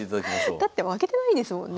だって負けてないですもんね。